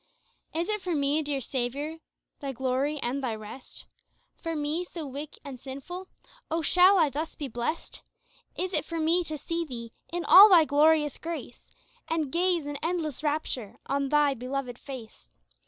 Is it for me, dear Saviour Thy Glory and Thy rest? For me, so weak and sinful oh, shall I thus be blessed? Is it for me to see Thee in all Thy glorious grace And gaze in endless rapture on Thy beloved face?